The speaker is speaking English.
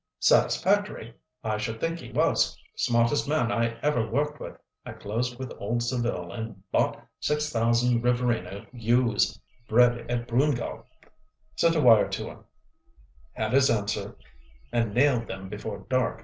"Satisfactory! I should think he was! Smartest man we've ever worked with. I closed with old Saville, and bought six thousand Riverina ewes bred at Broongal. Sent a wire to him, had his answer, and nailed them before dark.